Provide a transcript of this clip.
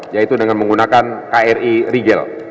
yaitu dengan menggunakan kri rigel